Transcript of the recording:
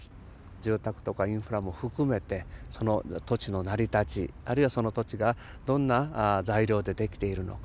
住宅とかインフラも含めてその土地の成り立ちあるいはその土地がどんな材料で出来ているのか